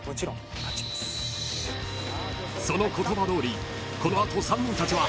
［その言葉どおりこの後３人たちは］